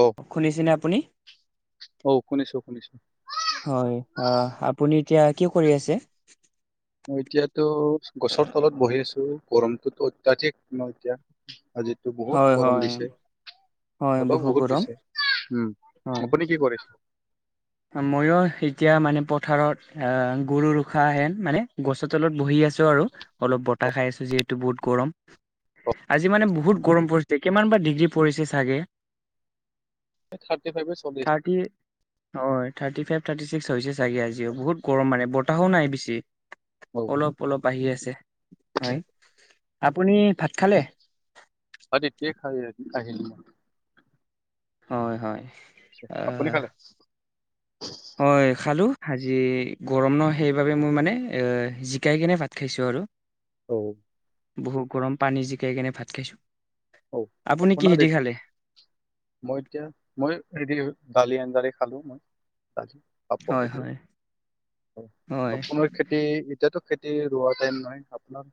অ শুনিছেনে আপুনি? অ, শুনিছো, শুনিছো। হয় অ, আপুনি এতিয়া কি কৰি আছে? মই এতিয়াতো গছৰ তলত বহি আছো গৰমটোতো অত্যাধিক মই এতিয়া আজি টো হয় বহুত গৰম হয় দিছে। হয় ভবা বহু বহুত গৰম দিছে উম, আপুনি কি কৰিছে? ময় এতিয়া মানে পথাৰত গৰু ৰখাহ হেন মানে গছৰ তলত বহি আছো আৰু। অলপ বতাহ খাই আছো যিহেতু বহুত গৰম আজি মানে বহুত গৰম পৰিছে কিমান বা ডিগ্ৰী পৰিছে চাগে থাৰ্টি ফাইভ চল্লিছে থাৰ্টি হয় থাৰ্টি ফাইভ থাৰ্টি ছিক্স হৈছে চাগে আজিও বহুত গৰম মানে বতাহও নাই বেছি অ অলপ অলপ আহি আছে হয় আপুনি ভাত খালে আহিল হয় হয় আপুনি আহ খালে হয় খালোঁ আজি গৰম ন সেইবাবে মই মানে জিকাই কেনে ভাত খাইছোঁ আৰু অ বহুত গৰম পানী জিকাই কিনে ভাত খাইছো অপোনেই মই এতিয়া মই হেৰি দালি আঞ্জাদি খালো মই দালি হয়, আাপথে দিয়ে হয়, হয়, সপোনো খেতি এতিয়াতো খেতি ৰোৱা টাইম নহয় আপোনাৰ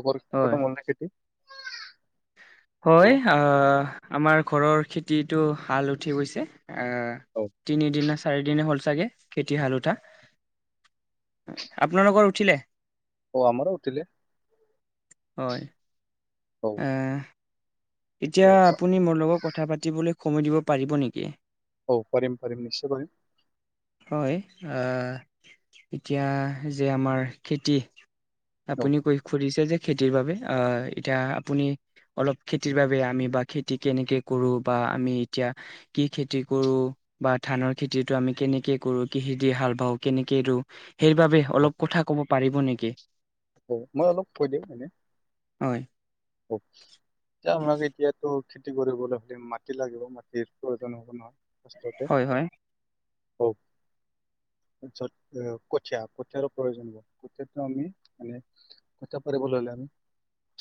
লগৰ কষতো হয়। মন নাই খেতি হয় ৰোৱা আমাৰ ঘৰৰ খেতিটো হাল উঠি গৈছে অ তিনিদিনা চাৰিদিনে হ'ল চাগে খেতি হাল উঠা আপোনালোকৰ উঠিলে অ আমাৰো উথিলে হয় অ এ এতিয়া অ আপুনি মোৰ লগত কথা পাতিবলৈ সময় দিব পাৰিব নেকি অ পাৰিম পাৰিম নিশ্চয় বাৰ হয় এতিয়া যে আমাৰ খেতি আপুনি কৈ খুজিছে যে খেতিৰ বাবে আহ এতিয়া আপুনি অলপ খেতি খেতিৰ বাবে আমি বা খেতি কেনেকে কৰো বা আমি এতিয়া কি খেতি কৰো বা ধানৰ খেতিটো আমি কেনেকে কৰো কিহেদি হাল বাওঁ কেনেকে ৰুওঁ সেইবাবে অলপ কথা ক'ব পাৰিব নেকি অ মই অলপ কৈ দিওঁ মানে হয় অ এতিয়া আমাক এতিয়াতো খেতি কৰিবলৈ হ'লে মাটি লাগিব মাটিৰ প্ৰয়োজন হ'ব নহয় আতে হয় হয় অ কঠীয়া কঠিয়াৰো প্ৰয়োজন হব কঠীয়াটো আমি মানে কতিপাৰে ব হল আমি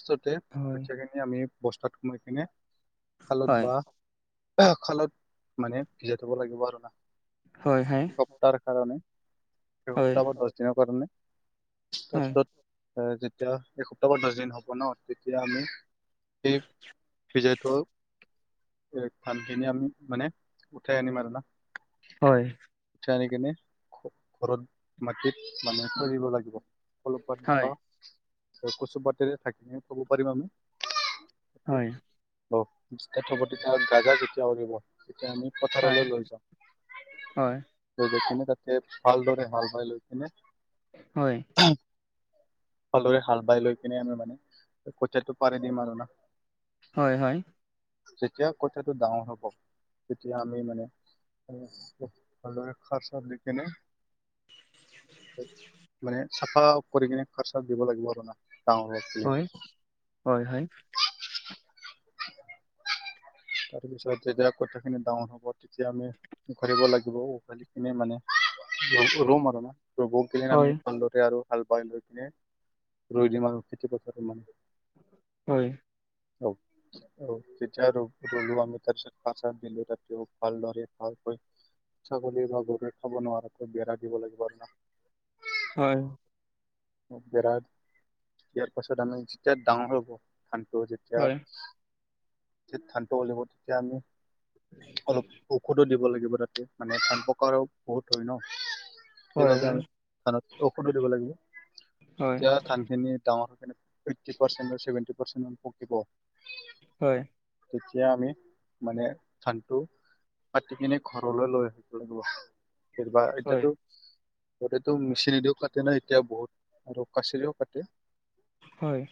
বতে হয় কঠিয়াখিনি আমি বস্তাত সোমাই কিনে খালত হয় বা খালত মানে ভিজাই থব লাগিব আৰু না হয় হয় সপ্তাহ কাৰণে স সপ্তাহ দহ দিনৰ কাৰণে হয় তাৰপিছত তেতিয়া এসপ্তাহ বা দহ দিন হ'ব ন যেতিয়া আমি সেই বিজাটো আমি মানে উঠাই আনিম আৰু না হয় উঠাই আনি কেনে ঘৰত মাটিত মানে খজিব লাগিব অলপমান হয় পাত বা কচুপতেৰে ধাকিলে ক'ব পাৰিম আমি হয় থবতি তাৰ গাগা যেতিয়া উৰিব তেতিয়া আমি হয় হয় পথাৰলৈ লৈ হয় যাওঁ যাই কিনে তাতে ভালদৰে হাল বাই লৈ কিনে হয় ভালদৰে হাল বাই লৈ কিনে আমি মানে কঠীয়াাতটো পাৰি দিম আৰু না হয় হয় যেতিয়া কথাাতটো ডাঙৰ হব তেতিয়া আমি মানে ভালৰে খাৰ চাব ল কেনে মানে চাফা কৰি কিনে খৰচা দিব লাগিব আৰু ন গাৱ হয় হয় হয় তাৰপিছত যেিলাক কথাখিনি ডাউৰ হ'ব তেতিয়া আমি উখৰিব লাগিব উখি কিনে মানে ৰুম আৰু ন ৰব আমি হয় ভালদৰে আৰু হাল বাই লৈ কিনে ৰুই দিম আৰু খেতি পথাৰ মানহ হয় অ অ তিয়া ৰলো আমি তাৰ পিছত ক চ দিলো তাতে ভালদৰে ভালকৈ ইচ্ছা কৰি ধ ঘৰ খাব নোৱাৰাৰে ত বেৰা দিব লাগিব আৰু ন হয় বেৰা দিয়াৰ পাছত আমি যেতিয়া ডাঙৰ হ'ব ধানটো যেতিয়া হয় যে ধানটো ওলিব তেতিয়া আমি অলপ ঔষধো দিব লাগিব তাতে মানে ধান প্ৰকাৰো বহুত হয় ন হয় সেইবাবে আৰু ঔষধো দিব হয় লাগিব খানখিনীৰ দামাটোে এইটতি পাৰ্চেণ্ট বা চভেনট পাৰ্চণ্ট পকিব হয় তেতিয়া আমি মানে ধানটো পাতি কিনে ঘৰলৈ লৈ আহিব লাগিব কেতিবা হয় এতিয়াতো গতেতটো মেচিনদিও কাটে ন এতিয়া বহুত আৰু কাচৰেও কাটে হয়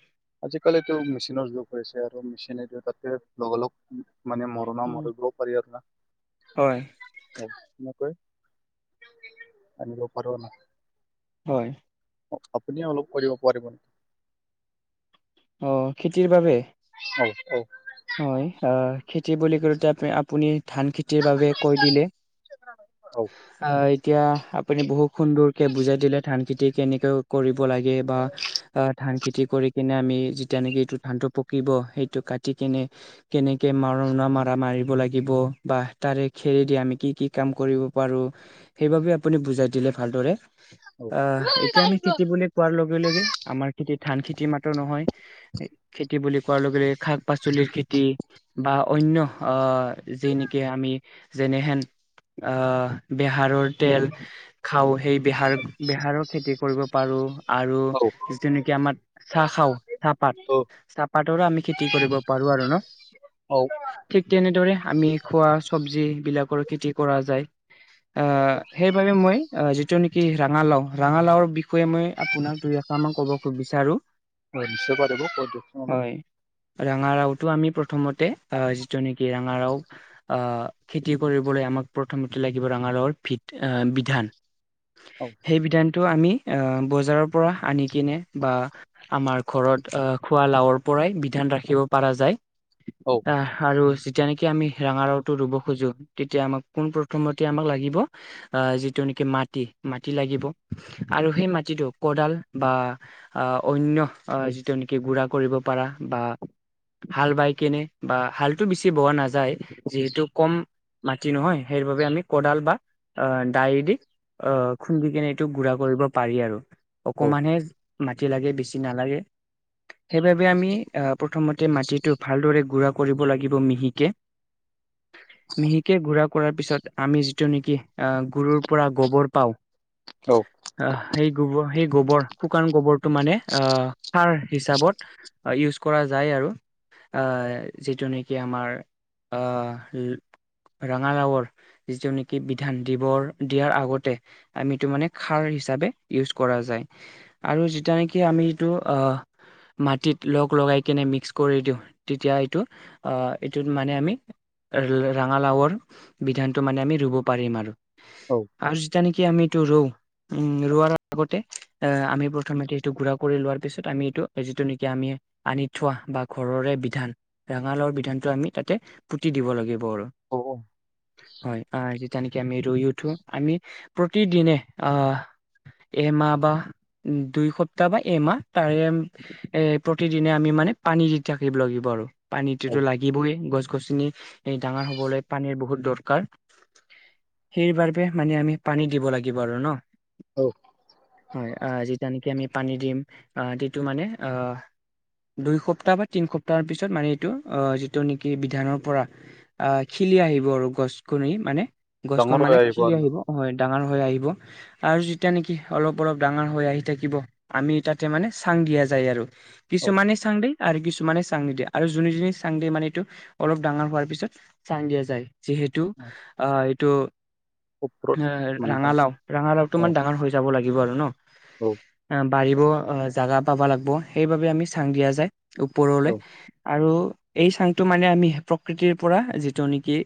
আজিকালিতো মেচিনৰ যুগ হৈছে আৰু মেচিনেদি কাতে লগ লগ মানে মৰ ন মৰিব পাৰাৰ ন হয় অ ন ক আ ফৰ ন [unintelligible] হয় আপুনি অলপ কৰিব পাৰিব অঁ খেতিৰ বাবে হয় হয় হয় অ খেতি বুলি কৰি আপুনি ধান খেতি বাবে কৈ দিলে অ অ এতিয়া আপুনি বহুত সুন্দৰকে বুজাই দিলে ধান খেতি কেনেকে কৰিব লাগে বা ধান খেতি কৰি কিনে আমি যেতিয়া নেকি এইটো ধানটো পকিব সেইটো কাটি কিনে কেনেকে মৰণা মৰা মাৰিব লাগিব বা তাৰে খেৰেদি আমি কি কি কাম কৰিব পাৰো সেইবাবে আপুনি বুজাই দিলে ভালদৰে অ এতিয়া আমি খেতি বুলি কোৱাৰ লগে লগে আমাৰ খেতি ধান খেতি মাত্ৰ নহয় খেতি বুলি কোৱাৰ লগে লগে শাক শাক পাচলিৰ খেতি বা অনন্য অহ যি নেকি আমি যেনেহেন বেহাৰৰ তেল খাও সেই বেহাৰ বেহাৰো খেতি কৰিব পাৰো আৰু অ যিটো নকি আমাৰ চাহ খাও চাহপাত অ চাহপাতৰো আমি খেতি কৰিব [unintelligible] অ ঠিক তেনেদৰে আমি খোৱা চবজিবিলাকৰ খেতি কৰা যায় আহ সেইবাবে মই যিটো নেকি ৰাঙালাও ৰাঙালাওৰ বিষয়ে মই আপোনাক দু তাৰমানে ক'ব খ বিচাৰো হয় নিশ্চয় পাৰিব ক দিয়োক ছোন হয় ৰাঙাৰাওটো আমি প্ৰথমতে যিটো নেকি ৰঙাৰাও অহ খেতি কৰিবলৈ আমাক প্ৰথমতে লাগিব ৰঙালাওৰ ভধ বিধান। অ সেই বিধানটো আমি আহ বজাৰৰ পৰা আনি কিনে বা আমাৰ ঘৰত অহ খোৱা লাৱৰ পৰাই বিধান ৰাখি ৰাখিব পৰা যায় অ আহ আৰু যেতিয়ানেকি আমি ৰাঙালাওটো ৰুব খোজো তেতিয়া আমাক পোন প্ৰথমতে আমাক লাগিব আহ যিটো নেকি মাটি মাটি লাগিব আৰু সেই মাটিটো কদাল বা আহ অন্য আহ যিটো নেকি গুৰা কৰিব পাৰা বা হাল বাই কেনে বা হালতটো বেছি বোৱা নাযায় যিহেতু কম মাটি নহয় সেইবাবে আমি কদাল বা আহ দাই দি অ', খুন্দি কেনে এইটো গুৰা কৰিব পাৰি আৰু। অ অকমানহে মাটি লাগে বেছি নালাগে সেইবাবে আমি আহ প্ৰথমতে মাটিটো ভালদৰে গুড়া কৰিব লাগিব মিহিকে। মিহিকে গুৰা কৰাৰ পিছত আমি যিটো নেকি আহ গৰুৰ পৰা গোবৰ পাও অ আহ সেই গোবৰ সেই গোবৰ শুকান গবৰটো মানে সাৰ হিচাপত ইউজ কৰা যায় আৰু যিটো নেকি আমাৰ ৰঙালাৱৰ যিটো নেকি বিধান দিবৰ দিয়াৰ আগতে আমিতো মানে খাৰ হিচাপে ইউজ কৰা যায়। আৰু যেতিয়া নেকি আমি যিটো মাটিত লগ লগাই কিনে মিক্স কৰি দিওঁ তেতিয়া এইটো এইটোত মানে আমি ৰঙালাওৰ বিধানটো মানে আমি ৰুব পাৰিম আৰু অ'। আৰু যেতিয়া নেকি আমি এইটো ৰু উম, ৰোৱাৰ আগতে আহ আমি প্ৰথমতে এটো গুৰা কৰি লোৱাৰ পিছত আমি এইটো যিটো নেকি আমি আনি থোৱা বা ঘৰৰে বিধান ৰঙালাওৰ বিধানটো আমি তাতে পুতি দিব লাগিব আৰু। অ'। হয় যেতিয়া নেকি আমি ৰুই উঠো আমি প্ৰতিদিনে আহ এমাহ বা দুই সপ্তাহ বা এমাহ তাৰে এ প্ৰতিদিনে আমি মানে পানী দি থাকিব লাগিব আৰু পানীটোতো লাগ গিবই গছ গছনি ডাঙৰ হবলৈ পানীৰ বহুত দৰকাৰ। সেই বাবে মানে আমি পানী দিব লাগিব আৰু ন। হয় আহ যেতিয়া নেকি আমি পানী দিম আহ মাটিতো মানে আহ দুই সপ্তাহ বা তিন সপ্তাহ পিছত মানে এইটো আহ যিটো নেকি বিধানৰ পৰা আহ খিলি আহিব আৰু গছ কনি মানে গছখন ডাঙৰ হৈ মানে খিলি আৰু না আহিব হয় ডাঙৰ হৈ আহিব আৰু যেতিয়া নেকি অলপ অলপ ডাঙৰ হৈ আহি থাকিব আমি তাতে মানে চাং দিয়া যায় আৰু কিছুমানে চাং দিয়ে আৰু কিছুমানে চাং নিদিয়ে আৰু জোনে জোনে চাং দিয়ে মানে এইটো অলপ ডাঙৰ হোৱাৰ পিছত চাং দিয়া যাই যিহে তু এইটো ওপৰত মানে হয় ৰাঙালাও ঙালাওটো মানে ডাঙৰ হৈ যাব লাগিব আৰু ন বাঢ়িব জেগা পাব লাগিব সেই বাবে আমি চাং দিয়া যায় ওপৰলৈ আৰু এই চাংটো মানে আমি প্ৰকৃতিৰ পৰা যিটো নেকি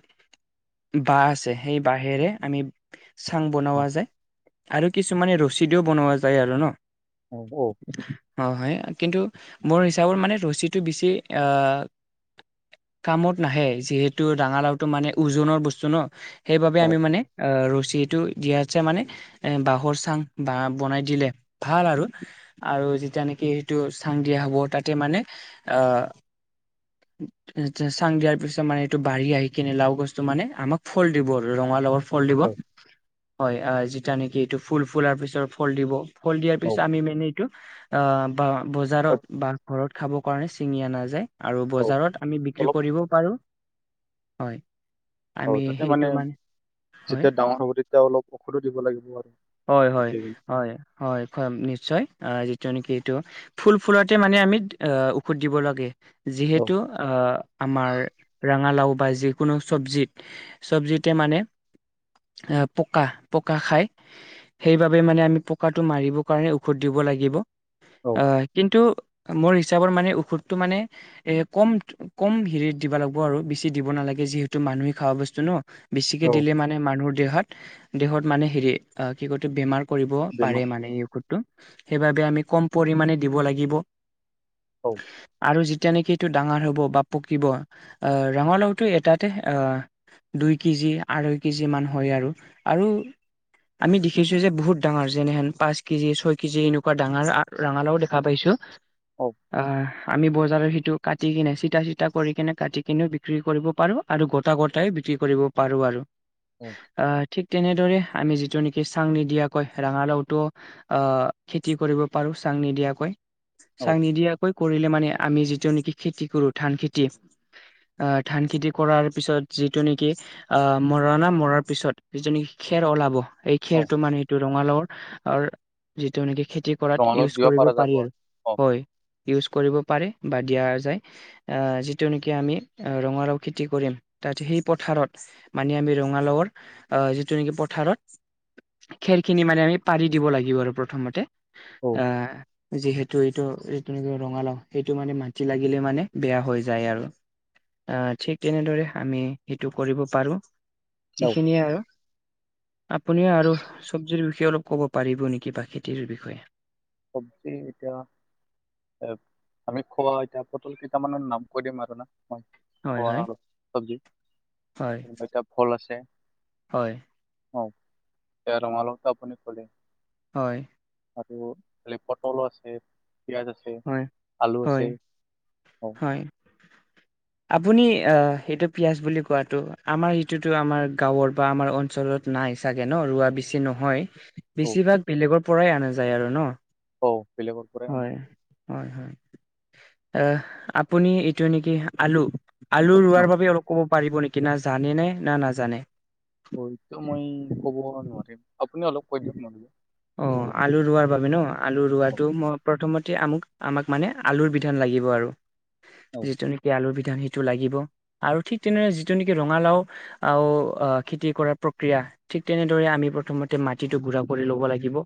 বাঁহ আছে সেই বাঁহেৰে আমি চাং বনোৱা যায় আৰু কিছুমানে ৰছিদও বনোৱা যায় আৰু ন। অ', অ'। হয় হয় কিন্তু মোৰ হিচাপৰ মানে ৰছীটো বেছি কামত নাহে যিহেতু ৰাঙালাওটো মানে ওজনৰ বস্তু ন সেইবাবে আমি মানে ৰছীটো দিয়াতছে মানে এ বাঁহৰ চাং বা বনাই দিলে ভাল আৰু আৰু যেতিয়া নেকি সেইটো চাং দিয়া হ'ব তাতে মানে চাং দিয়াৰ পিছত মানে এইটো বাঢ়ি আহি কিনে লাও গছটো মানে আমাক ফল দিব আৰু ৰঙা লগাৰ ফল দিব হয় যেিতিয়া নেকি এইটো ফুল ফুলাৰ পিছত ফল দিব ফল দিয়াৰ পিছত আমি মানে এইটো অ বা বজাৰত বা ঘৰত খাব কাৰণে ছিঙি আনা যায় আৰু অলপ বজাৰত আমি বিক্ৰী অলপ কৰিব হয় আমি সেইটো মানে হয় যেতিয়া ডাঙৰ হ'ব তেতিয়া অলপ ঔষধো দিব লাগিব হয় হয় আৰুিনি হয় হয় নিশ্চয় যিটো নেকি এইটো ফুল ফুলতে মানে আমি ঔষধ দিব লাগে যিহেতু আমাৰ ৰঙালাও বা যিকোনো চব্জিত চব্জিতে মানে এ পকা পকা খাই সেইবাবে মানে আমি পকাটো মাৰিবৰ কাৰণে ঔষধ দিব লাগিব হয় কিন্তু মোৰ হিচাপৰ মানে ঔষধটো মানে এ কম কম হেৰিত দিব লাগিব আৰু বেছি দিব নালাগে যিহেতু মানুহে খাব বস্তু ন বেছিকৈ দিলে মানে মানুহৰ দেহত দেহত মানে হেৰি কি কটো বেমাৰ ে বেমাৰ অ আৰু যেতিয়া নেকি এইটো ডাঙৰ হ'ব বা পকিব আহ ৰঙালাওটো এটাতে আহ দুই কেজি আঢ়ৈ কেজি মান হয় আৰু আৰু আমি দেখিছো যে বহুত ডাঙৰ যেনেহেন পাঁচ কেজি ছয় কেজি এনেকুৱা ডাঙৰ ৰঙালাও দেখা পাইছো আহ আমি বজাৰৰ সিটো কাটিিকনে চিটা চিটা কৰি কিনে কাটিিকনেও বিক্ৰী কৰিব পাৰোঁ আৰু গোটা গোটায় বিক্ৰী কৰিব পাৰোঁ পাৰোঁ আৰু অ আহ ঠিক তেনেদৰে আমি যিটো নেকি চাং নিদিয়াকৈ ৰাঙালাওটো আহ খেতি কৰিব পাৰো চাং নিদিয়াকৈ চং নিদিয়াকৈ কৰিলে মানে আমি যিটো নেকি খেতি কৰো ধান খেতি ধান খেতি কৰাৰ পিছত যিটো নেকি আহ মৰণা মৰাৰ পিছত যিখিনি খেৰ ওলাব এই খেৰটো মানে সেইটো ৰঙালাও আৰু যিটো এেকে খেতি কৰাত ৰঙালাও ইউজ দিব কৰিব পৰা যাব পাৰি আৰু হয় ইউজ কৰিব পাৰে বা দিয়া যায় আহ যিটো নেকি আমি ৰঙালাও খেতি কৰিম তাত সেই পথাৰত মানে আমি ৰঙালাওৰ আহ যিটো নেকি পথাৰত খেৰখিনি মানে আমি পাৰি দিব লাগিব আৰু প্ৰথমতে অ আহ যিহেতু এইটোটো ৰঙালাও সেইটো মানে মাটি লাগিলে মানে বেয়া হৈ যায় আৰু আহ ঠিক তেনেদৰে আমি সেইটো কৰিব পাৰো সেই খিনিয়ে আৰু আপুনি আৰু চব্জিৰ বিষয়ে অলপ ক'ব পাৰিব নেকি বা খেতিৰ বিষয়ে পব্জি এতিয়া এ আমি খোৱা এতিয়া পটল কেইটামানৰ নাম কৈ দিম আৰু না মই হয় খোৱা হয় আৰু চবজি হয় এতিয়া ফল আছে হয় অ ৰঙালাও টো আপুনি কলে। হয় আৰু খাল পটলো আছে পিয়ঁাজ আছে আলু আছে। হয় অ আপুনি আহ সেইটো পিয়িয়াজ বুলি কোৱাটো আমাৰ যিটোতো আমাৰ গাঁৱৰ বা আমাৰ অঞ্চলত নাই চাগে ন ৰোৱা বেছি নহয় অ বেছিভাগ বেলেগৰ পৰাই আনা যায় আৰু ন অ বেলেগৰ পৰাই অনা হয় হয় হয় এ আপুনি এইটো নেকি আলু আলু অ ৰোৱাৰ বাবে অলপ ক'ব পাৰিব নেকি না জানে নে না নাজানে হয়তো মই ক'ব নোৱাৰিম, আপুনি অলপ কৈ দিয়ক নহ'লে। অ', আলু ৰোৱাৰ বাবে ন, আলু অ ৰোৱাটো মই প্ৰথমতে আমুক আমাক মানে আলুৰ বিধান লাগিব আৰু অ যিটো আলুবিধান সেইটো লাগিব আৰু ঠিকতেনেৰে যিটো নেকি ৰঙালাও আও অ', খেতি কৰাৰ প্ৰক্ৰিয়া ঠিকতেনেদৰে আমি প্ৰথমতে মাটিটো গুৰা কৰি ল'ব লাগি ব।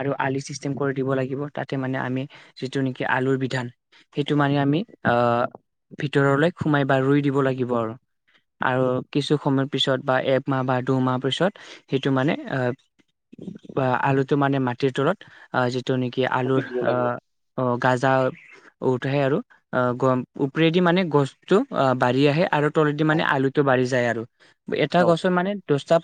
আৰু আলি চিষ্টেম কৰি দিব লাগিব, তাতে মানে আমি যিটো নেকি আলুৰ বিধান সেইটো মানে আমি আহ, ভিতৰলৈ সোমাই বা ৰুই দিব লাগিব আৰু। আৰু কিছু সময়ৰ পিছত বা একমাহ বা দুমাহৰ পিছত সেইটো মানে অ' বা আলুটো মানে মাটিৰ তলত অহ, যিটো নেকি সুধি আলুৰ দিব লাগিব। অহ' অ', গাজা উঠে আৰু অ', গম ওপৰেদি মানে গছতটো বাঢ়ি আহে আৰু তলেদি অ মানে আলুটো বাঢ়ি যায় আৰু এটা অ গছ মানে দছটা